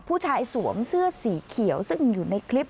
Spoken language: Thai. สวมเสื้อสีเขียวซึ่งอยู่ในคลิป